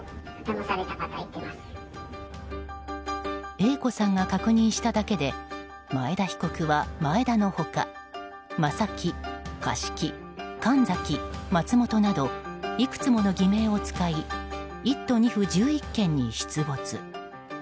Ａ子さんが確認しただけで前田被告は前田の他正木、樫木、神崎、松本などいくつもの偽名を使い１都２府１１県に出没。